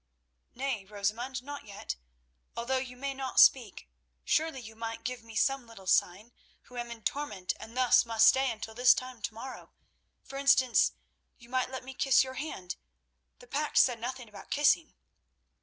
"Nay, Rosamund, not yet. Although you may not speak, surely you might give me some little sign, who am in torment, and thus must stay until this time to morrow. For instance, you might let me kiss your hand—the pact said nothing about kissing."